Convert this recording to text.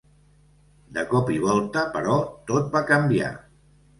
De cop i volta, però, tot va canviar.